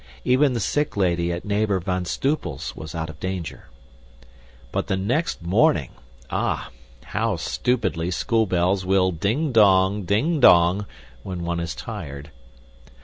Even the sick lady at neighbor Van Stoepel's was out of danger. But the next morning! Ah, how stupidly school bells will ding dong, ding dong, when one is tired.